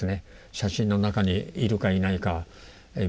写真の中にいるかいないか見極める。